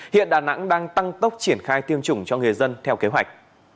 hiện đà nẵng đang tăng tốc triển khai tiêm chủng cho người dân theo kế hoạch